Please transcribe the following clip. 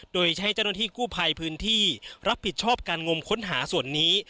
โดยใช้เจ้าหน้าที่กู้ภัยพื้นที่รับผิดชอบการงมค้นหาส่วนนี้